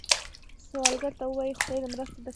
سوالګر ته ووايئ “خدای دې مرسته درسره وي”